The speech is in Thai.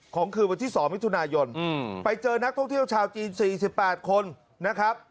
คืนวันที่๒มิถุนายนไปเจอนักท่องเที่ยวชาวจีน๔๘คนนะครับ